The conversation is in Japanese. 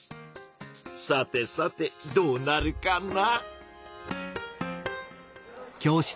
さてさてどうなるかな？